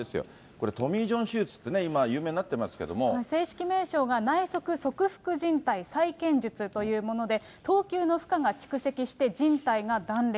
これ、トミー・ジョン手術って、正式名称が内側側副じん帯再建術というもので、投球の負荷が蓄積してじん帯が断裂。